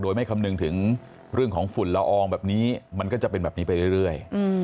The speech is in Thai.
โดยไม่คำนึงถึงเรื่องของฝุ่นละอองแบบนี้มันก็จะเป็นแบบนี้ไปเรื่อย